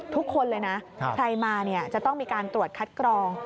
ทุกคนเลยนะใครมาจะต้องมีการตรวจคัดกรอง